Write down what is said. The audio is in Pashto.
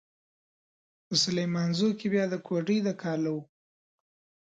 په سليمانزو کې بيا د کوډۍ د کاله و.